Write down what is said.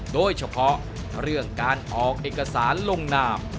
โดยเฉพาะเรื่องการออกเอกสารลงนาม